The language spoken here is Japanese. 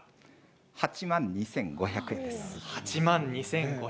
８万２５００円です。